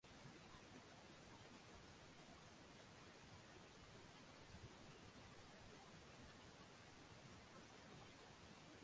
USA দল পরের দিন আর্জেন্টিনা থেকে আসা একটি দলটির মুখোমুখি হয়েছিল।